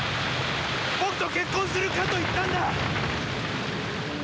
僕と結婚するかと言ったんだ！